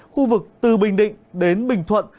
khu vực từ bình định đến bình thuận